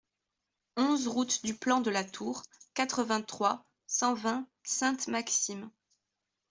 onze route du Plan de la Tour, quatre-vingt-trois, cent vingt, Sainte-Maxime